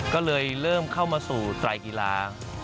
ก็เลยเริ่มเข้ามาสู่ไตรกีฬา